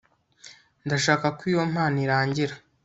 Ndashaka ko iyo mpano irangira